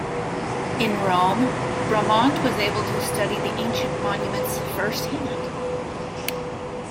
In Rome, Bramante was able to study the ancient monuments firsthand.